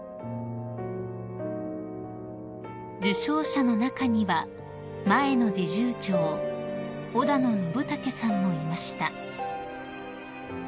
［受章者の中には前の侍従長小田野展丈さんもいました］